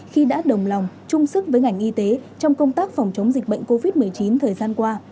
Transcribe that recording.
khi đã đồng lòng chung sức với ngành y tế trong công tác phòng chống dịch bệnh covid một mươi chín thời gian qua